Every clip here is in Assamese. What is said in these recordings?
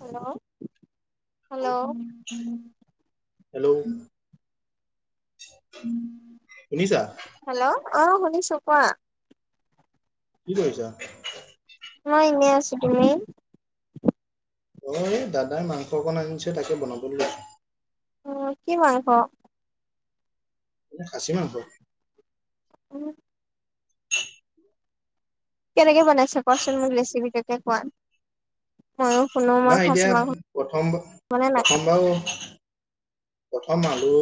Hello hello. হেল্ল'। [inaudible] শুনিছা? হেল্ল' অ শুনিছো কোৱা। কি কৰিছা? মই এনেই আছো, তুমি? অ এই দাদাই মাংস অকণ আনিছে তাকে বনাবলে লৈছো। অঁ কি মাংস? মানে খাচী মাংস। উম। কেনেকে বনাইছা কোৱাচোন মোক ৰেচিপিটোকে কোৱা? মইয়ো শুনো মই তোমাৰ খাচী মাংস এতিয়া প্ৰথম বা মানে নাখাওঁ প্ৰথম বাৰু প্ৰথম আলু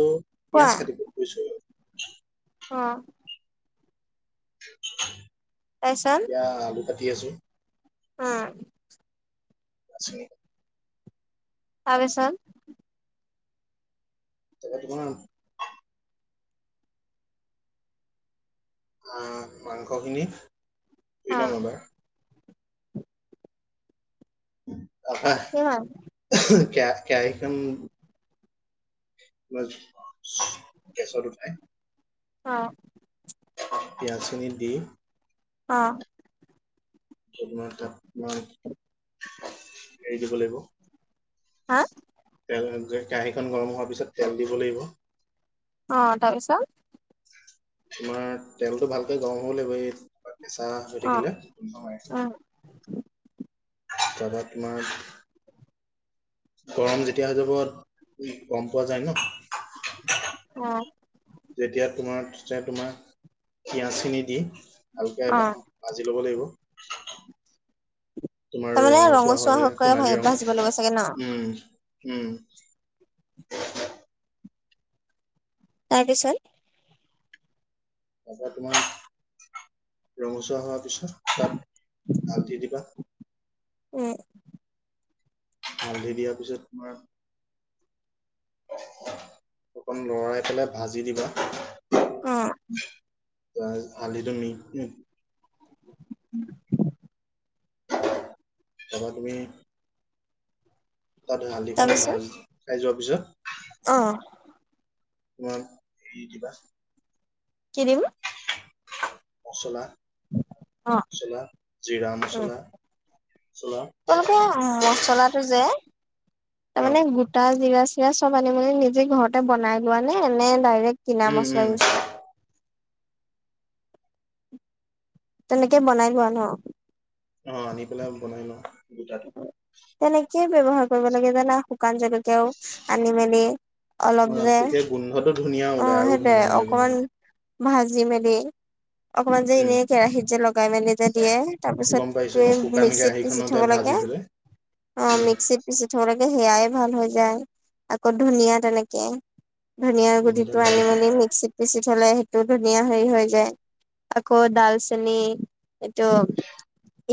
কোৱা পিয়াজ কাটিব লৈছোঁ অ। তাৰপিছত এতিয়া আলু কাটি আছো। অঁ। আছে [inaudible] তাৰপিছত? তাকে তোমাৰ আহ মাংসখিনি ধুই অ লম এবাৰ কিমান [unintelligible] কেয়া কেৰাহী খন [unintelligible] গেছত উঠাই। অ। পিঁয়াজখিনি দি অ। [unintelligible] এৰি দিব লাগিব হা তেল কেৰাহীখন গৰম হোৱাৰ পিছত তেল দিব লাগিব। অ তাৰ পিছত? তোমাৰ তেলটো ভালকে গৰম হ'ব লাগিব, এই কেঁচা হৈ অ থাকিলে নহয়। উম তাৰপা তোমাৰ গৰম যেতিয়া হৈ যাব, গম পোৱা যায় ন। অ। যেতিয়া তোমাৰ তোমাৰ পিয়াজ খিনি দি ভালকে অ অলপ ভাজি ল'ব লাগিব তোমাৰ তাৰমানে ৰঙচুৱা হ লে হকে সোণালী ৰং ভাজিব লাগিব চাগে ন উম উম তাৰপিছত এতিয়া তোমাৰ ৰঙচুৱা হোৱাৰ পিছত তাত হালধি দিবা। উম। হালধি দিয়াৰ পিছত তোমাৰ অকন লৰাই পেলাই ভাজি দিবা অ। ত হালিটো মি উ [inaudible] [unintelligible] তুমি তাত হালধি খন তাৰপিছত ভাজ খাই যোৱাৰ পিছত অ। তোমাৰ হেৰি দিবা কি দিম? মচলা অ মছলা জিৰা মছলা। মছলা তেওঁলোকে মচলাটো যে অ তাৰমানে গোট গুটা জিৰা চিৰা চব আনি মেলি নিজেই ঘৰতে বনাই লোৱা নে, নে ডাইৰেক্ট কিনা উম মছলা উম ইউজ কৰা? তেনেকে বনাই লোৱা ন। অ আনি পেলাই বনাই লওঁ গোটাটো তেনেকেই ব্যৱহাৰ কৰিব লাগে জানা শুকান জলকীয়াও আনি মেলি। অ অলপ যে তেতিয়া গোন্ধটো ধুনীয়া অ ওলাই আৰু হয় ধুনীয়া ওলাই গোন্ধ অকমান ভাজি মেলি। অকমান যে উম এনে কেৰাহিত যে লগাই মেলি যে দিয়ে গম তাৰপিছত পাইছো অ তুমি শুকান মিক্সিত পিচি কেৰাহীখনতে থব ভাজি লাগে পেলাই এ অ উম মিক্সড পেচি থবলৈকে সেয়াই ভাল হৈ যায় আকৌ ধুনীয়া তেনেকে ধুনীয়াাৰ উম গুটিটো ধুনীয়া আনি দেখি। মেলি মিক্সিত পিচি থলে সেইটো ধুনীয়া হেৰি হৈ যায়। আকৌ ডালচেনি এইটো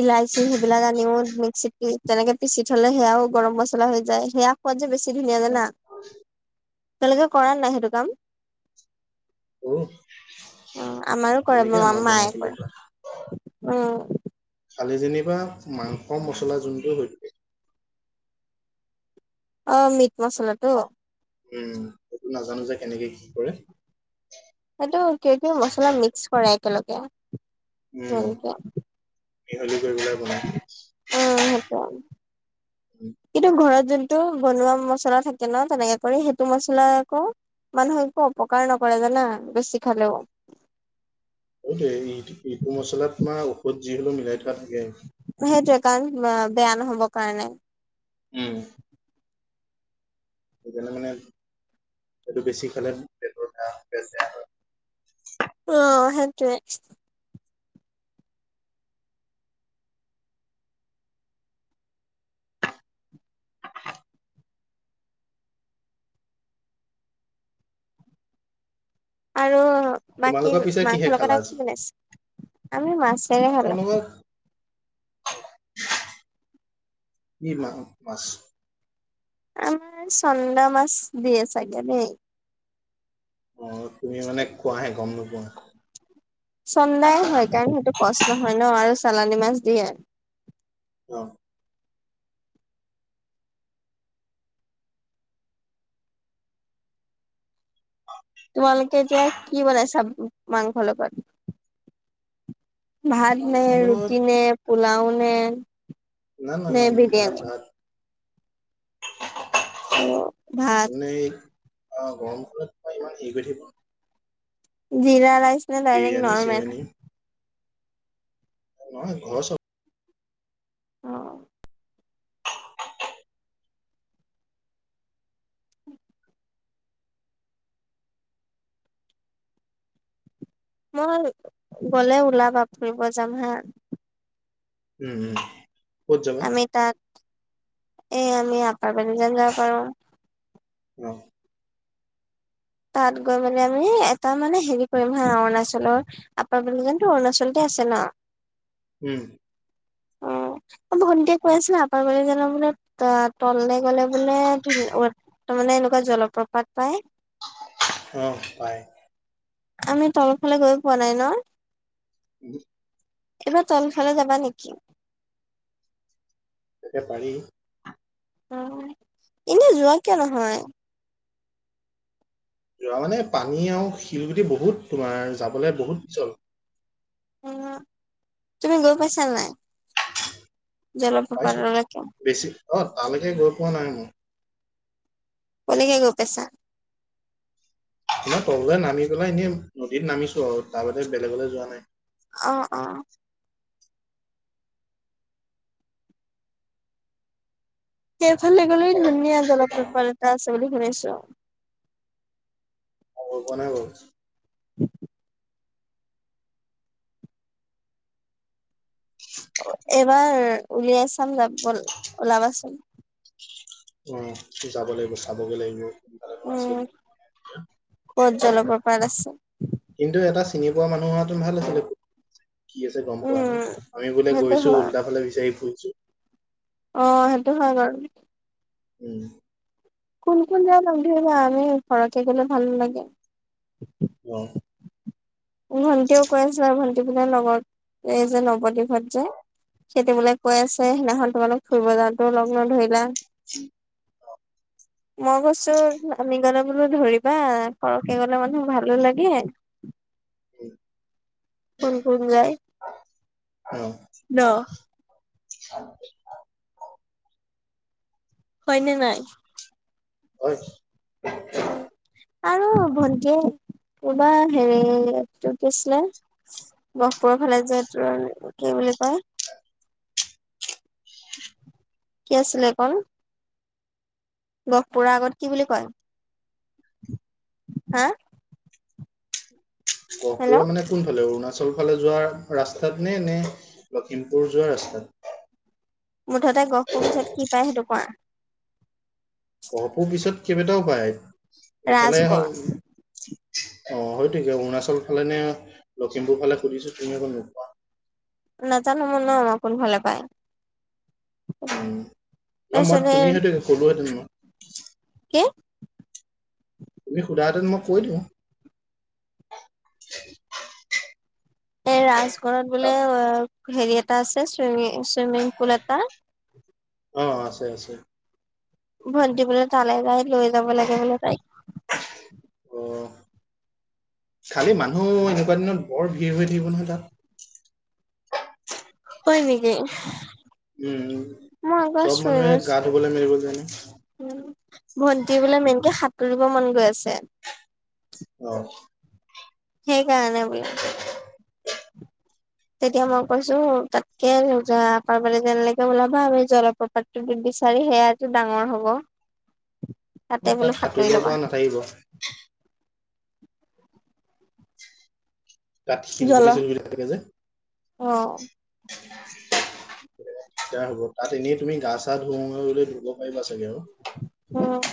ইলাইচি সেইবিলাক আনিও ছেকি তেনেকে পিচি থ'লে সেয়াও গৰম মছলা হৈ যায় সেয়া খোৱাদ যে বেছি ধুনীয়া যে অ না তেওঁলোকে কৰা নাই সেইটো কাম কৰো অ আমাৰো কৰে তেনেকে আমাৰ বনাই মায়ে পেলাই থোৱা কৰে [unintelligible] খালি যেনিবা মাংস মছলা যোনটো হৈ থ অ মিট মচলাটো উম সেইটো নাজানো যে কেনেকে কি কৰে। সেইটো কিবা কিবা মছলা মিক্স কৰে একেলগেই। উম মিহলি কৰি পেলায় বনাই। অ হব উম কিন্তু ঘৰত যোনটো বনোৱা মচলা থাকে ন তেনেকে কৰি সেইটো মছলা আকৌ মানুহে একো অপকাৰ নকৰে জানা বেছি খালেও। এইটো ইটো মছলাত তোমাৰ ঔষধ যি হ'লেও মিলাই থোৱা থাকে। সেইটোৱে কাৰণ বেয়া নহ'বৰ কাৰণে। উম। সেইকাৰণে মানে সেইটো বেছি খালে পেটৰ [unintelligible] পেট বেয়া হয়। অ সেইটোৱে। আৰু বাকী তোমালোকৰ পিছে কিহে মাংসৰ খালা লগত আজি? [unintelligible] আমি মাছেৰে মাংসৰ খালোঁ। লগত কি [unintelligible] মাছ। আমাৰ চন্দা মাছ দিয়ে চাগে দেই। অ তুমি মানে খোৱাহে গম নোপোৱা। চন্দাই হয় কাৰণ সেইটো কষ্ট হয় নহ আৰু চালানী মাছ দিয়ে। অ। তোমালোকে এতিয়া কি বনাইছা মাংসৰ লগত? ভাত মাংস নে লগত ৰুটি নে পোলাও নে? না, না নে ভাত, বিৰিয়ানী? ভাত। [unintelligible] অ গৰমখনত মই ইমান হেৰি কৰি থাকিব জীৰা ৰাইচ নে ডাইৰেক্ট বিৰিয়ানী নৰ্মেল। চিৰিয়ানী নহয় ঘৰৰ চাউল অ। মই গ'লে উলাবা ফুৰিব যাম হা। উম হুম। আমি তাত এ আমি এপাৰ্টমেণ্ট এটা লব পাৰোঁ। অ। তাত গৈ মানে আমি এটা মানে হেৰি কৰিম হা অৰুণাচলৰ। [unintelligible] অৰুণাচলতে আছে না। উম। [inaudible] [unintelligible] কৈ আছে [unintelligible] ত'ললৈ গ'লে বোলে। [unintelligible] তাৰ মানে এনেকুৱা জলপ্ৰপাত পায়। অ পায়। আমি তল ফালে গৈ পোৱা নাই নহ। [inaudible] এইবাৰ তলফালে যাবা নেকি? [unintelligible] পাৰি। এনে যোৱা কিয় নহয়? যোৱা মানে পানী আৰু শিলগুটি বহুত তোমাৰ যাবলে বহুত পিছল। [unintelligible] তুমি গৈ পাইছা নে নাই? পাইছো জলপ্ৰপাতলৈকে বেছি অ তালৈকে গৈ পোৱা নাই মই। কলৈকে গৈ পাইছা? তোমাৰ তললৈ নামি পেলাই এনে নদীত নামিছো আৰু তাৰ বাদে বেলেগলৈ যোৱা নাই। অ, অ। সেইফালে গ'লে ধুনীয়া জলপ্ৰপাত এটা আছে বুলি শুনিছোঁ। মই গৈ পোৱা নাই বাৰু। [inaudible] এইবাৰ উলিয়াই চাম [unintelligible] ওলাবাচোন। উম যাব লাগিব চাবগৈ লাগিব। কোনফালে নো আছে উম ক'ত জলপ্ৰপাত আছে। কিন্তু এটা চিনি পোৱা মানুহ হোৱাহেঁতেন ভাল আছিলে। কি আছে গম পোৱা হেঁতেন উম আমি বোলে সেইটো গৈছোঁ হয় উল্টা ফালে বিচাৰি ফুৰিছোঁ। অ সেইটো হয় বাৰু। [inaudible] কোন কোন যাম সুধিবা আমি সৰহকে গ'লে ভালো লাগে। উম। ভণ্টিও কৈ আছে আৰু ভন্টিৰ লগত এই যে নৱদ্বীপহঁত যে, হেতী বোলে কৈ আছে সেইদিনাখন তোমালোক ফুৰিব যাওঁতেও লগ নধৰিলা। [inaudible] মই কৈছো আমি গলে বোলো ধৰিবা সৰহকে গলে মানুহ ভালো লাগে। উম। কোন কোন যায় অ ন? [inaudible] হয়নে নাই? হয়। উ আৰু ভন্টিয়ে কবা হেৰি ত কিছিলে। গহপুৰৰ ফালে যোৱতো কি বুলি কয়? কি আছিলে একন। গহপুৰৰ আগত কি বুলি কয় হা? হেল্ল' গহপুৰৰ মানে কোন ফালে অৰুণাচল ফালে যোৱা ৰাস্তাত নে নে লখিমপুৰ যোৱা ৰাস্তাত। মুঠতে গহপুৰ পিছত কি পায় সেইটো কোৱা? অহপোৰ পিছত কেইবাটাও উপায় এইফালে হ'ল। ৰাজগড় অ হয়তিকে অৰুণাচল ফালে নে লখিমপুৰ ফালে সুধিছো তুমি এককৌ নোপোৱা। নাজানো মই নম আপোন ফালে পায়। ন মই তাৰপিছতে তুমি সেইটো ক'লোহেতেন মই। কি? তুমি সোধাতে মই কৈ দিওঁ। এই ৰাজগড়ত বোলে তাত অ হেৰি এটা আছে চুইমি চুইমিং পুল এটা। অঁ, আছে আছে। ভণ্টি বোলে তালে যাই লৈ যাব লাগে বোলে তাইক। অ। খালি মানুহ এনেকুৱা দিনত বৰ ভিৰ হৈ থাকিব নহয় তাত। হয় নেকি? উম মই আকৌ চব মানুহে গা ধুবলৈ মেলিব জানো। উম, ভণ্টি বোলে মেইনকে সাঁতুৰিব মন গৈ আছে। অ। সেইকাৰণে বোলে। [unintelligible] তেতিয়া মই কৈছো তাতকে ল [unintelligible] পাৰবলৈ যেনেৈকে ওলাবা আৰুি অলপপাত দি বিচাৰি সেইয়াতটো ডাঙৰ হ'ব তাতে বোলো তাত সাঁতুৰি সাঁতুৰিব ল'বা পৰা নাথাকিব। তাত শিলগুটি চিলগুটি থাকে যে, অঁ। [unintelligible] তোই হ'ব তাত এনেই তুমি গা চা ধুলৈ ধুব পাৰিবা চাগে আৰু। উম।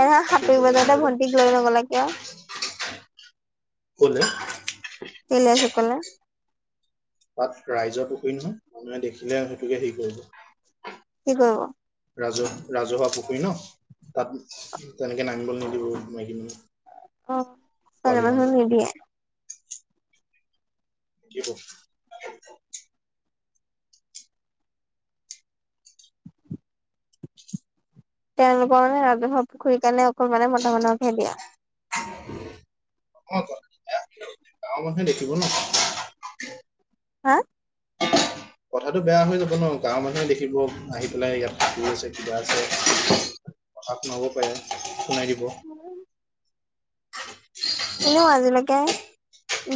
এনে সাঁতুৰিব যাওঁতে নোৱাৰিবা। ভন্টিক লৈ নগলা কিয় ক'লে? কি ৰাইজ সকলে? তাত ৰাইজৰ পুখুৰী নহয়, মানুহে দেখিলে সেইটোকে হেৰি কৰিব', কি কৰিব? ৰাজহু - ৰাজহুৱা পুখুৰী ন', তাত, তেনেকে নামিবলৈ নিদিব মাইকী মানুহ', অ', ছোৱালী মানুহ নিদিয়ে? নিদিয়েটো', তেওঁলোকৰ মানে ৰাজহুৱা পুখুৰীৰ কাৰণে অকল মানে মতা মানুহকহে দিয়া? অ', - ', ত গাঁৱৰ মানুহে দেখিব ন', হা', কথাটো বেয়া হৈ যাব ন, গাঁৱৰ মানুহে দেখিব আহি পেলাই ইয়াত শুই আছে কিবা আছে', কথা শুনাব পাৰে, শুনাই দিব', [unintelligible] এনেও আজিলৈকে,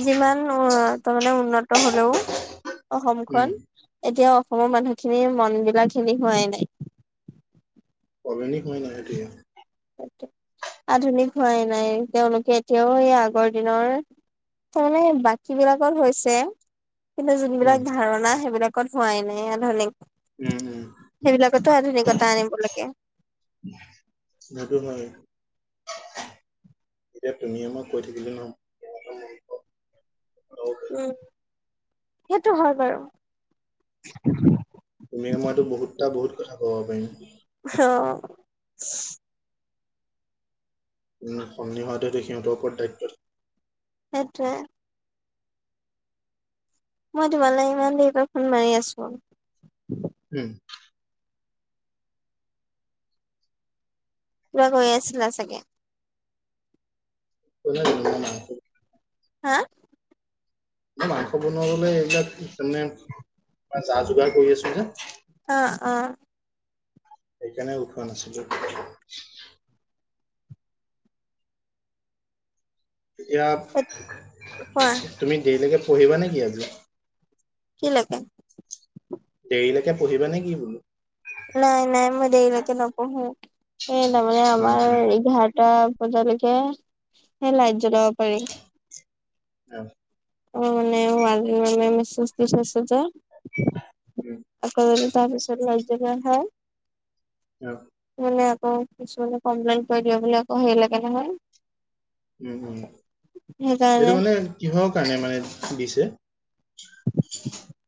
যিমান উউউ', তাৰমানে উন্নত হ'লেও', অসমখন, এতিয়া অসমৰ মানুহখিনিৰ মন বিলাক খিনি হোৱাই নাই', আধুনিক হোৱা নাই, এইটোৱে', অ', ঠিক, আধুনিক হোৱাই নাই, তেওঁলোকে এতিয়াও এই আগৰ দিনৰ', তাৰমানে বাকী বিলাকৰ হৈছে', কিন্তু উম যিবিলাক ধাৰণা সেইবিলাকত হোৱাই নাই আধুনিক', উম উম সেইবিলাকতো আধুনিকতা আনিব লাগে', সেইটো নোৱাৰে', এতিয়া তুমিয়ে মই কৈ থাকিলে নহ'ব, বুজাব লাগিব, অহ', উম', সেইটো হয় বাৰু উম', -উম', তুমিয়ে মইতো বহুত কথা - বহুত কথা ক'ব পাৰিম', অহ', উম', সন্নি হোৱাটোই সিহঁতৰ ওপৰত দায়িত্বৰ', সেইটোৱে', মই তোমালৈ ইমান দেৰি পৰা ফোন মাৰি আছোঁ', উম', পুৰা শুইৱে আছিলা চাগে', কোনে ক'লে মা তোক', হা', মই মাংস বনাবলৈ এইবিলাক, তাৰমানে যা-যোগাৰ কৰি আছোঁ যে', অহ', - অ', সেইকাৰণে উঠোৱা নাছিলোঁ', এতিয়া, কোৱা তুমি দেৰিলৈকে পঢ়িবা নেকি আজি? কি লাগে? দেৰিলৈকে পঢ়িবা নে কি বোলোঁ? নাই - নাই, মই দেৰিলৈকে নপঢ়োঁ, সেই তাৰমানে উম উম আমাৰ এঘাৰটা', এঘাৰটা লৈকে, সেই লাইট জ্বলাব পাৰি', অ', অ', মানে মাজো মে'মে' মেচেজ দি থৈছে যে', উম', আকৌ যদি তাৰপিছত লাইট জ্বলোৱা হয়', অ' মানে আকৌ কিছু মানে কমপ্লেইন কৰি দিব বুলি আকৌ হেই লাগে নহয়। উম উম, সেইকাৰণে এইটো মানে কিহৰ কাৰণে মানে দিছে?